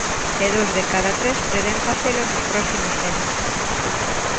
E dous de cada tres prevén facelo nos próximos meses.